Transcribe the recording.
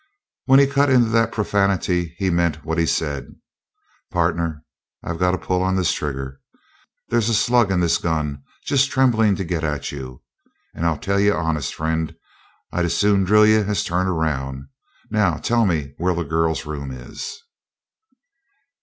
When he cut into that profanity he meant what he said. "Partner, I've got a pull on this trigger. There's a slug in this gun just trembling to get at you. And I tell you honest, friend, I'd as soon drill you as turn around. Now tell me where that girl's room is?"